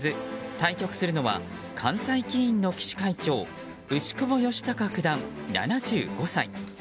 対局するのは関西棋院の棋士会長牛窪義高九段、７５歳。